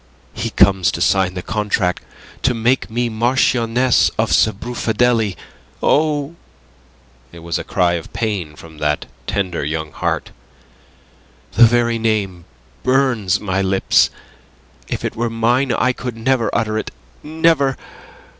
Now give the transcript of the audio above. He comes to sign the contract to make me the Marchioness of Sbrufadelli. Oh!" It was a cry of pain from that tender young heart. "The very name burns my lips. If it were mine I could never utter it never!